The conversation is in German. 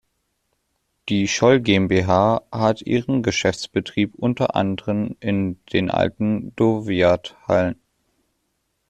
Die Scholl GmbH hat ihren Geschäftsbetrieb unter anderem in den alten Dowidat-Hallen.